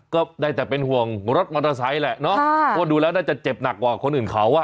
ก็ได้แต่เป็นห่วงรถมอเตอร์ไซค์แหละเนาะเพราะว่าดูแล้วน่าจะเจ็บหนักกว่าคนอื่นเขาอ่ะ